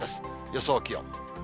予想気温。